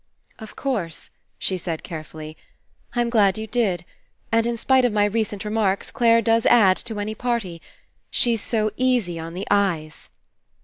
''Of course," she said carefully, 'Tm glad you did. And in spite of my recent re marks, Clare does add to any party. She's so easy on the eyes."